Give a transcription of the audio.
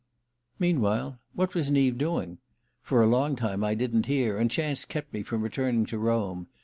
Meanwhile, what was Neave doing? For a long time I didn't hear, and chance kept me from returning to Rome.